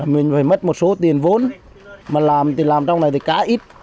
mình phải mất một số tiền vốn mà làm thì làm trong này thì cá ít